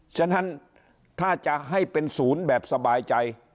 ฉะนั้นถ้าจะให้เป็นศูนย์แบบสบายใจ